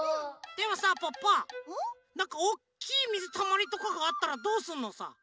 でもさポッポなんかおっきいみずたまりとかがあったらどうすんのさ？